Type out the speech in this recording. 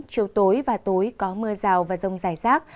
chiều tối và tối có mưa rào và rông rải rác